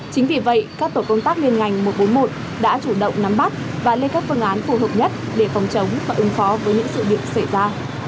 chính vì vậy các tổ công tác liên ngành một trăm bốn mươi một đã chủ động nắm bắt và lên các phương án phù hợp nhất để phòng chống và ứng phó với những sự việc xảy ra